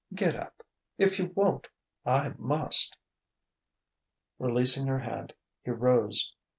Get up. If you won't, I must." Releasing her hand, he rose.